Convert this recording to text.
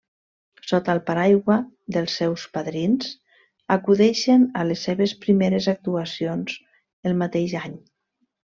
Sota el paraigua dels seus padrins acudeixen a les seves primeres actuacions el mateix any.